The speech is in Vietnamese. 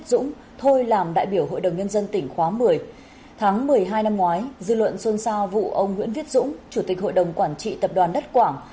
tạm đối tượng xuân sao vụ ông nguyễn viết dũng chủ tịch hội đồng quản trị tập đoàn đất quảng